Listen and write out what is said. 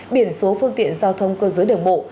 biển số phương tiện giao thông cơ giới đường bộ